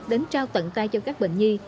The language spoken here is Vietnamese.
đến trao tận tay cho các bệnh nhi